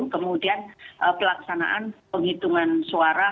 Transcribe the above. kemudian pelaksanaan penghitungan suara